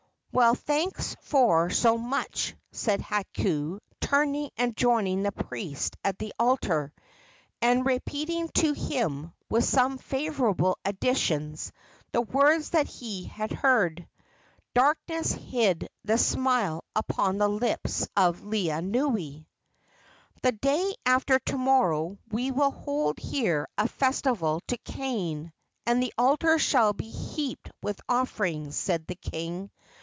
"Well, thanks for so much," said Hakau, turning and joining the priest at the altar, and repeating to him, with some favorable additions, the words that he had heard. Darkness hid the smile upon the lips of Laeanui. "The day after to morrow we will hold here a festival to Kane, and the altar shall be heaped with offerings," said the king.